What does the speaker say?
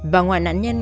bà ngoại nạn nhân